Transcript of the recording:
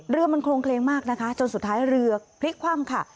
เรือมันโครงเคลงมากนะคะจนสุดท้ายเรือพลิกคว่ำค่ะ